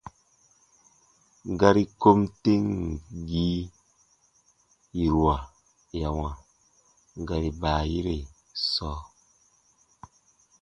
Gari kom temgii yiruwa ya wãa gari baayire sɔɔ.